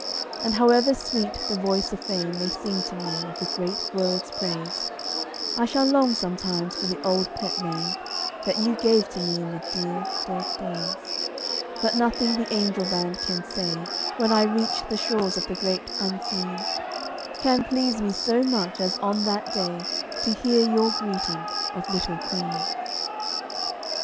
And however sweet the voice of fame May sing to me of a great world's praise, I shall long sometimes for the old pet name That you gave to me in the dear, dead days; And nothing the angel band can say, When I reach the shores of the great Unseen, Can please me so much as on that day To hear your greeting of "Little Queen."